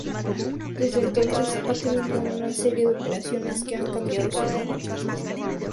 Desde entonces, ha tenido una serie de operadores que han cambiado su nombre.